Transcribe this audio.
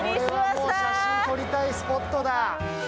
写真を撮りたいスポットだ。